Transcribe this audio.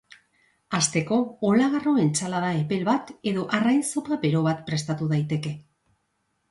Hasteko, olagarro entsalada epel bat edo arrain zopa bero bat prestatu daiteke.